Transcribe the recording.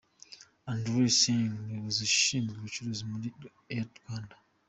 Indrajeet Singh umuyobozi ushinzwe ubucuruzi muri Airtel Rwanda.